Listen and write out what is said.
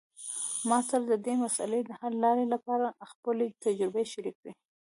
ما سره د دې مسئلې د حل لپاره خپلې تجربې شریکي کړئ